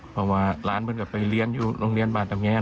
เพราะว่าหลานมันกลับไปเรียนอยู่โรงเรียนบ้านตรงนี้